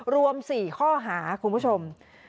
รวม๔ข้อหาคุณผู้ชม